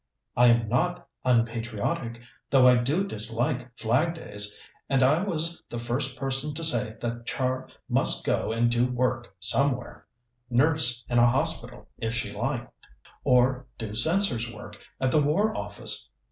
"I am not unpatriotic, though I do dislike Flagdays, and I was the first person to say that Char must go and do work somewhere nurse in a hospital if she liked, or do censor's work at the War Office.